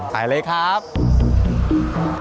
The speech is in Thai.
แผดชัยบาดาขายเลยครับ